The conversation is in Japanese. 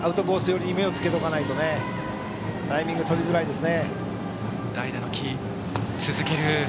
寄りに目をつけておかないとタイミングは取りづらいです。